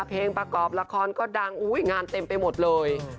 เพลงประกอบละครก็ดังงานเต็มไปหมดเลย